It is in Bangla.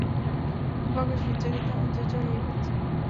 এ পক্ষে সুচরিতাও আশ্চর্য হইয়া গেছে।